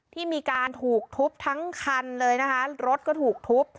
ที่มีการถูกทุบทั้งคันเลยนะคะรถก็ถูกทุบ